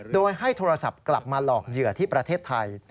โดยให้โทรศัพท์กลับมาหลอกเหยื่อที่ประเทศไทย